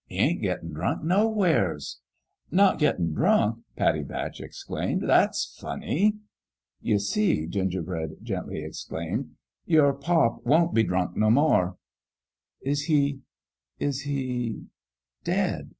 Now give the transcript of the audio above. " He ain't gettin' drunk nowheres." "Not^taV drunk?" Pattie Batch exclaimed. " That's funny." "You see," Gingerbread gently exclaimed "your pop won't be drunk no more." " Is he is \ter dead?